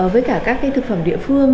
với cả các cái thực phẩm địa phương